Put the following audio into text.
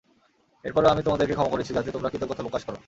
এরপরও আমি তোমাদেরকে ক্ষমা করেছি যাতে তোমরা কৃতজ্ঞতা প্রকাশ কর।